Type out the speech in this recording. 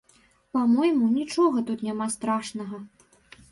Па-мойму, нічога тут няма страшнага.